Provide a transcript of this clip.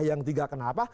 yang tiga kenapa